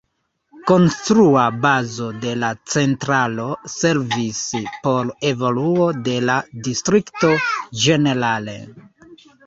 Konstrua bazo de la centralo servis por evoluo de la distrikto ĝenerale.